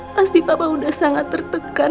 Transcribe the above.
pasti papa udah sangat tertekan